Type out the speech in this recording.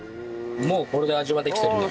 もうこれで味はできているので。